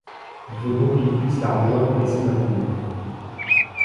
Il faut donc qu’il puisse la rejoindre et s’y maintenir.